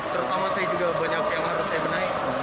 terutama saya juga banyak yang harus saya benahi